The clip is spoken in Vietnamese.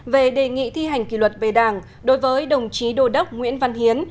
về đề nghị thi hành kỷ luật về đảng đối với đồng chí đô đốc nguyễn văn hiến